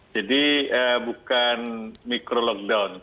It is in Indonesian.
jadi bukan micro lockdown